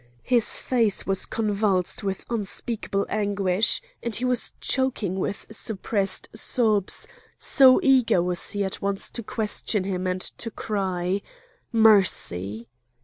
His face was convulsed with unspeakable anguish, and he was choking with suppressed sobs, so eager was he at once to question him, and to cry: "Mercy!"